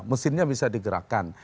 mesinnya bisa digerakkan